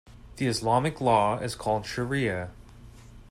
The Islamic law is called shariah.